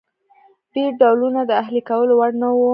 ډېر ډولونه د اهلي کولو وړ نه وو.